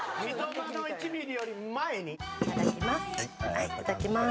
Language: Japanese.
はいいただきます。